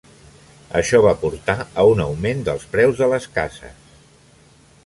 Això va portar a un augment dels preus de les cases.